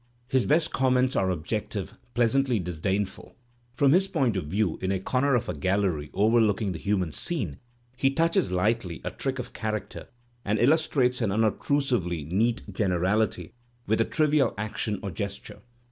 His best comments are objective, pleasantly / disdainful; from his point of view in a comer of a galleiy overlooking the human scene he touches lightly a trick of character and illustrates an unobtrusively neat generality with a trivial action or gesture.